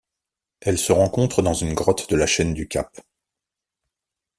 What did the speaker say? Elle se rencontre dans une grotte de la chaîne du Cap.